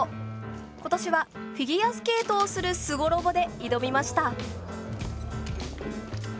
今年はフィギュアスケートをするすごロボで挑みました。